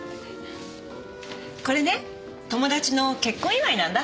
これね友達の結婚祝いなんだ。